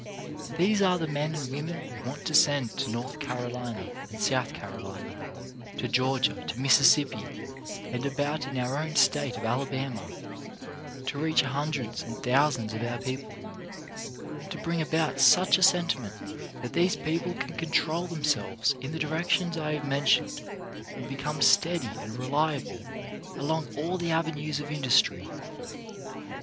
These are the men and women we want to send to North Carolina and South Carolina, to Georgia, to Mississippi, and about in our own State of Alabama, to reach hun dreds and thousands of our people, and to bring about such a sentiment that these people can con trol themselves in the directions I have mentioned and become steady and reliable along all the avenues of industry.